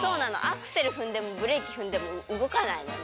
アクセルふんでもブレーキふんでもうごかないので。